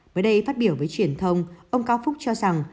mới đây phát biểu với truyền thông ông cao phúc cho rằng